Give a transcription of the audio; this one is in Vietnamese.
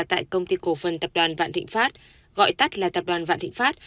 tại công ty cổ phần tập đoàn vạn thịnh pháp gọi tắt là tập đoàn vạn thịnh pháp